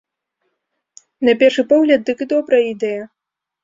На першы погляд дык і добрая ідэя.